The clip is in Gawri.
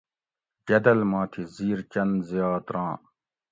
جدل ما تھی زِیر چند زیات ران